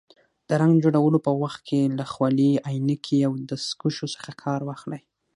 د رنګ جوړولو په وخت کې له خولۍ، عینکې او دستکشو څخه کار واخلئ.